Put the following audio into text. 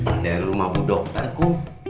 aduh kasian bener ya bu dokter ya